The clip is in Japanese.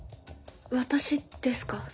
私ですか？